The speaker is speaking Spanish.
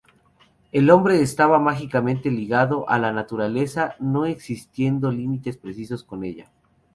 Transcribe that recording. El hombre estaba mágicamente ligado a la naturaleza no existiendo límites precisos con ella.